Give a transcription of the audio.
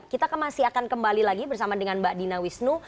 kita masih akan kembali lagi bersama dengan mbak dina wisnu